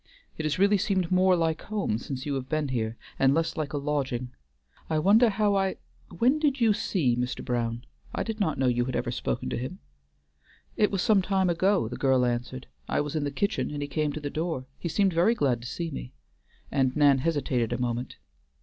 It has really seemed more like home since you have been here, and less like a lodging. I wonder how I When did you see Mr. Brown? I did not know you had ever spoken to him." "It was some time ago," the girl answered. "I was in the kitchen, and he came to the door. He seemed very glad to see me," and Nan hesitated a moment.